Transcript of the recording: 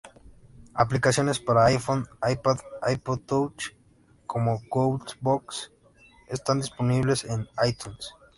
Aplicaciones para iPhone, iPad y iPod Touch, como "Ghoul Box" están disponibles en iTunes.